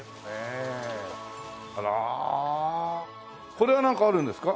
これはなんかあるんですか？